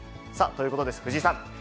ということです、藤井さん。